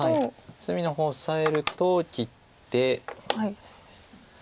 隅の方オサえると切って。